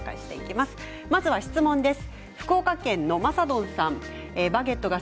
まず質問です。